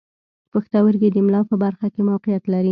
پښتورګي د ملا په برخه کې موقعیت لري.